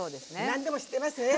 何でも知ってますね。